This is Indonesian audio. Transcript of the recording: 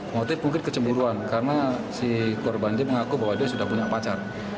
motif mungkin kecemburuan karena si korban dia mengaku bahwa dia sudah punya pacar